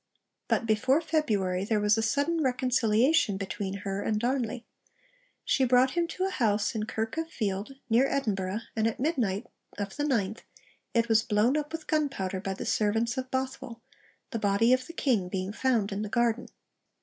But before February there was a sudden reconciliation between her and Darnley. She brought him to a house in Kirk of Field, near Edinburgh, and at midnight of the 9th it was blown up with gunpowder by the servants of Bothwell, the body of the King being found in the garden.